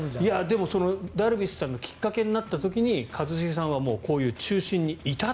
でも、ダルビッシュさんのきっかけになった時に一茂さんはこういう中心にいたと。